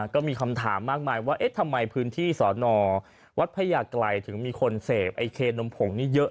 ก็มีคำถามมากมายว่าเอ๊ะทำไมพื้นที่สอนอวัดพญาไกลถึงมีคนเสพไอเคนมผงนี้เยอะ